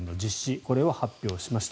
これを発表しました。